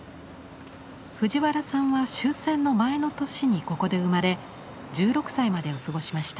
藤原さんは終戦の前の年にここで生まれ１６歳までを過ごしました。